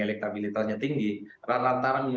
elektabilitasnya tinggi rata rata